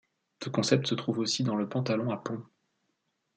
Ce concept se trouve aussi dans le pantalon à pont.